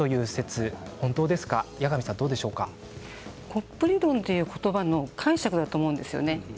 コップ理論という言葉の解釈だと思うんですよね。